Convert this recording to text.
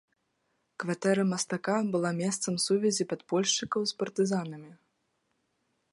Кватэра мастака была месцам сувязі падпольшчыкаў з партызанамі.